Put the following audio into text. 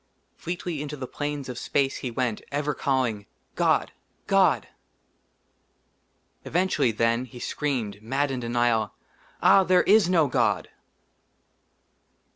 fleetly into the plains of space he went, ever calling, "god! god!" eventually, then, he screamed, mad in denial, "ah, there is no god